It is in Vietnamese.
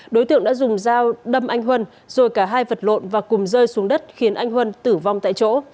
đối tượng đã dùng dao đâm anh huân rồi cả hai vật lộn và cùng rơi xuống đất khiến anh huân tử vong tại chỗ